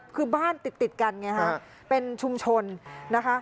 คือบ้านติดติดกันไงฮะเป็นชุมชนนะคะ